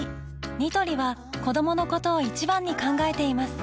ニトリは子どものことを一番に考えています